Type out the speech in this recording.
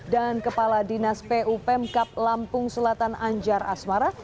dan kepala dinas pu pemkap lampung selatan anjar asmara